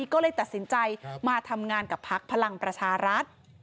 ก็เลยตัดสินใจมาทำงานกับพักพลังประชารัฐ